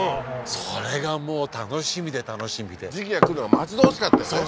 それがもう楽しみで楽しみで時期が来るのが待ち遠しかったよね